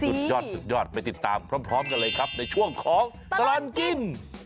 สุดยอดสุดยอดไปติดตามพร้อมกันเลยครับในช่วงของตลอดกิน